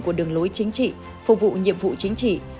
của đường lối chính trị phục vụ nhiệm vụ chính trị